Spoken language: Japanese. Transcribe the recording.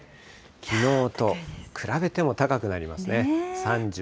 きのうと比べても高くなりますね。